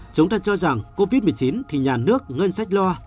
chúng ta cho rằng covid một mươi chín thì nhà nước ngân sách lo